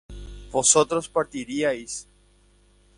vosotros partiríais